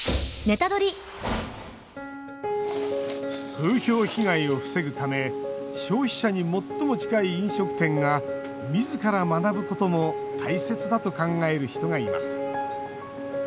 風評被害を防ぐため消費者に最も近い飲食店がみずから学ぶことも大切だと考える人がいます。